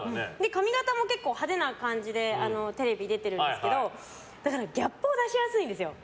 髪形も派手な感じでテレビに出てるんですけどギャップを出しやすいんですよ。